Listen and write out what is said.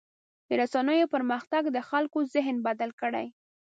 د رسنیو پرمختګ د خلکو ذهن بدل کړی.